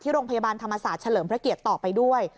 โรงพยาบาลธรรมศาสตร์เฉลิมพระเกียรติต่อไปด้วย